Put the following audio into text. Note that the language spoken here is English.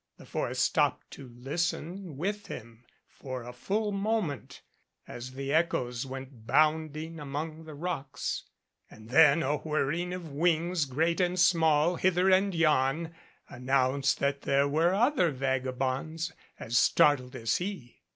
The forest stopped to listen with him for a full moment as the echoes went bounding among the rocks. And then a whirring of wings great and small, hither and yon, announced that there were other vagabonds as startled as he.